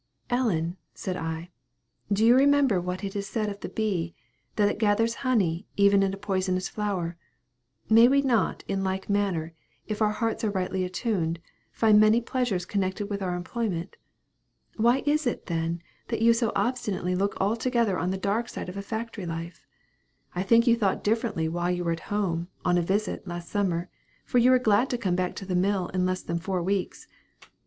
"Ellen," said I, "do you remember what is said of the bee, that it gathers honey even in a poisonous flower? May we not, in like manner, if our hearts are rightly attuned, find many pleasures connected with our employment? Why is it, then, that you so obstinately look altogether on the dark side of a factory life? I think you thought differently while you were at home, on a visit, last summer for you were glad to come back to the mill in less than four weeks.